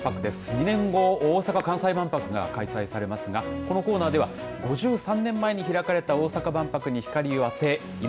２年後、大阪・関西万博が開催されますがこのコーナーでは５３年前に開かれた大阪万博に光を当て